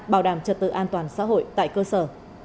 bảo đảm trật tự an toàn xã hội tại cơ sở